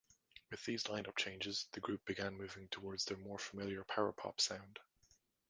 With these lineup changes, the group began moving towards their more-familiar power pop sound.